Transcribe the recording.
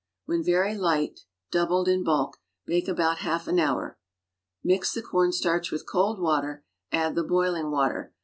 ^Vhen very light (doubled in bulk) bake about half an hour. Mix the cornstarch with cold water, add the boiling water.